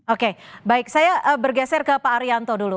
oke baik saya bergeser ke pak arianto dulu